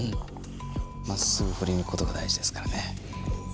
まっすぐふることが大事ですからね。